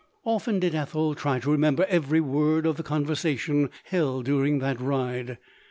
Often did Ethel try to remember every word of the conversation held during that ride.